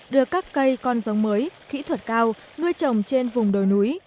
đưa các cây con giống mới kỹ thuật cao nuôi trồng trên vùng đồi núi